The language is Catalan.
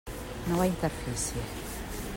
Nova interfície.